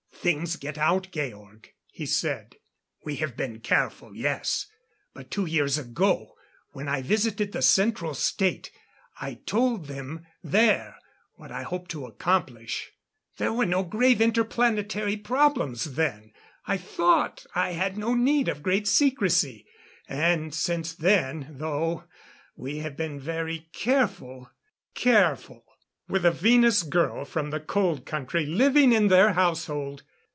"Things get out, Georg," he said. "We have been careful yes. But two years ago, when I visited the Central State, I told them there what I hoped to accomplish. There were no grave inter planetary problems then I thought I had no need of great secrecy. And since then, though, we have been very careful " Careful! With a Venus girl from the Cold Country living in their household!